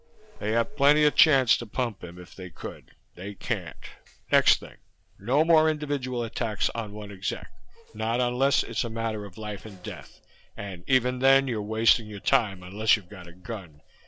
They had plenty of chance to pump him if they could. They can't. Next thing. No more individual attacks on one exec. Not unless it's a matter of life and death, and even then you're wasting your time unless you've got a gun.